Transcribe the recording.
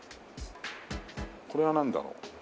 これはなんだろう？